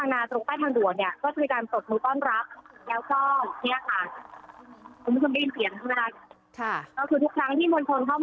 ข้างทางสะดวกจะเป็นการฝอกมือป้อนรับ